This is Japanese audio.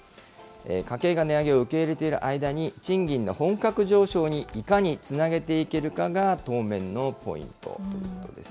家計が値上げを受け入れている間に、賃金の本格上昇にいかにつなげていけるかが、当面のポイントということです。